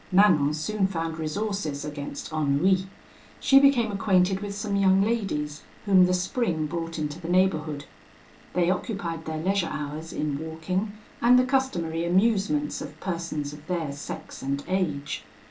"Manon soon found resources against ennui. She became acquainted with some young ladies, whom the spring brought into the neighbourhood. They occupied their leisure hours in walking, and the customary amusements of persons of their sex and age.